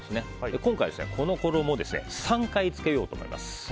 今回、この衣を３回つけようと思います。